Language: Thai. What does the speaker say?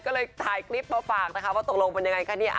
ก็เลยถ่ายคลิปมาฝากนะคะว่าตกลงเป็นยังไงคะเนี่ย